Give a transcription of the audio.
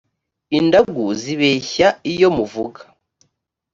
indagu zibeshya iyo muvuga